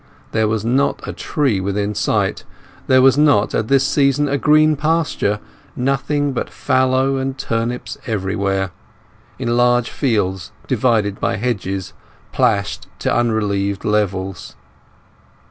There was not a tree within sight; there was not, at this season, a green pasture—nothing but fallow and turnips everywhere, in large fields divided by hedges plashed to unrelieved levels.